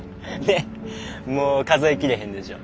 ねっもう数えきれへんでしょ。